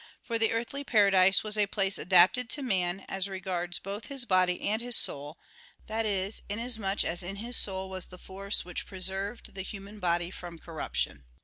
For the earthly paradise was a place adapted to man, as regards both his body and his soul that is, inasmuch as in his soul was the force which preserved the human body from corruption.